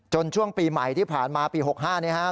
จนช่วงปีใหม่ที่ผ่านมาปี๖๕เนี่ยฮะ